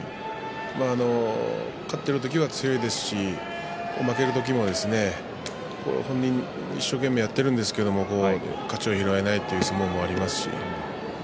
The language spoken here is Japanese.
勝っている時は強いですし負ける時も本人、一生懸命やっているんですが勝ちを拾えないという相撲もありますし